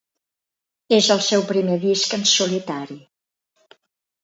És el seu primer disc en solitari.